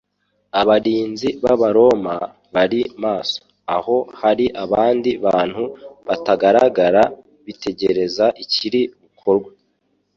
abarinzi b'abaroma bari maso. Aho hari abandi bantu batagaragara bitegereza ikiri bukorwe.